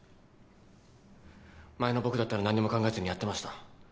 前の僕だったら何も考えずにやってました。